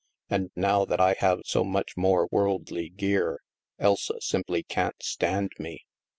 And now that I have so much more worldly gear, Elsa simply can't stand me.